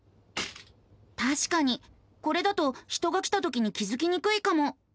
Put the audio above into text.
たしかにこれだと人が来たときに気付きにくいかも。